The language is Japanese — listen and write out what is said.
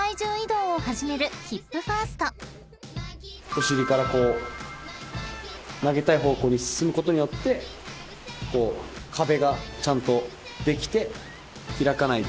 お尻からこう投げたい方向に進むことによって壁がちゃんとできて開かないで。